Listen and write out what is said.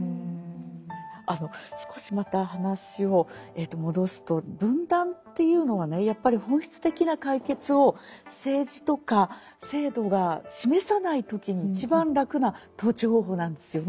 少しまた話を戻すと分断っていうのはねやっぱり本質的な解決を政治とか制度が示さない時に一番楽な統治方法なんですよね。